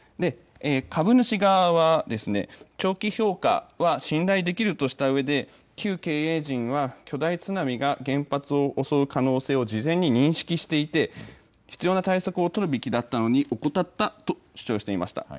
株主側は、長期評価は信頼できるとしたうえで、旧経営陣は巨大津波が原発を襲う可能性を事前に認識していて、必要な対策を取るべきだったのに怠ったと主張していました。